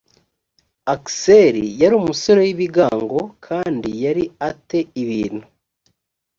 aksel yari umusore w ibigango kandi yari a te ibintu